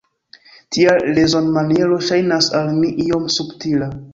Tia rezonmaniero ŝajnas al mi iom subtila.